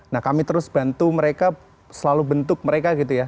nah kami terus bantu mereka selalu bentuk mereka gitu ya